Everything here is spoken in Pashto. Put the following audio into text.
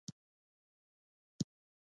دوې کړکۍ يې در لودې.